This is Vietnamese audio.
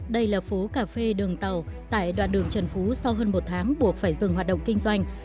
đây là phố cà phê đường tàu tại đoạn đường trần phú sau hơn một tháng buộc phải dừng hoạt động kinh doanh